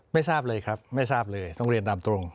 ไม่ทราบเลยครับไม่ทราบเลยต้องเรียนตามตรง